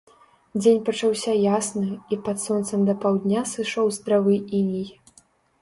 Дзень пачаўся ясны, і пад сонцам да паўдня сышоў з травы іней.